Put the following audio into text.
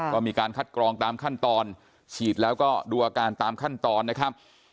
ก็มีการคัดกรองตามขั้นตอนฉีดแล้วก็ดูอาการตามขั้นตอนนะครับ